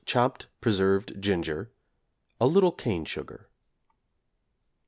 chopped preserved ginger, a little cane sugar.